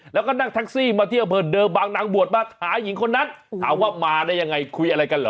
แล้วก็นั่งแท็กซี่มาที่อำเภอเดิมบางนางบวชมาหาหญิงคนนั้นถามว่ามาได้ยังไงคุยอะไรกันเหรอ